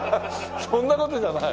そんな事じゃない？